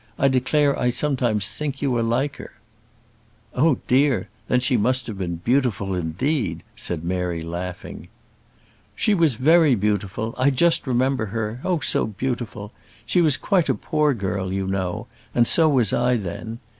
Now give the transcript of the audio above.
I declare I sometimes think you are like her." "Oh, dear! then she must have been beautiful indeed!" said Mary, laughing. "She was very beautiful. I just remember her oh, so beautiful! she was quite a poor girl, you know; and so was I then.